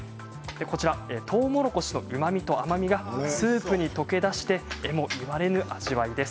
とうもろこしのうまみと甘みがスープに溶け出してえも言われぬ味わいです。